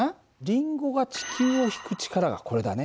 リンゴが地球を引く力がこれだね。